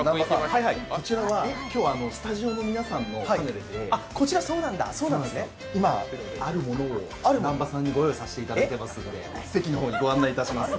こちらはスタジオの皆さんのパヌレで今、あるものを南波さんにご用意させていただいてますので席の方に御案内します。